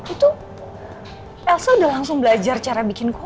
itu elsa udah langsung belajar cara bikin kopi lho